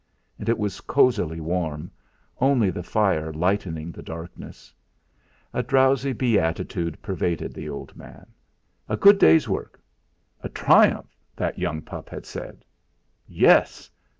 And it was cosily warm, only the fire lightening the darkness. A drowsy beatitude pervaded the old man. A good day's work! A triumph that young pup had said. Yes!